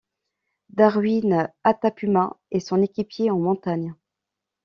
Darwin Atapuma est son équipier en montagne.